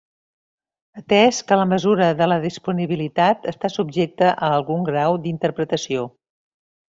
Atès que la mesura de la disponibilitat està subjecta a algun grau d'interpretació.